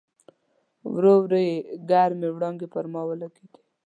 ورو ورو یې ګرمې وړانګې پر ما ولګېدې.